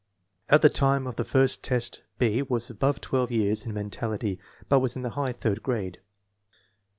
At the time of the first test B. was above 12 years in mentality, but was in the high third grade.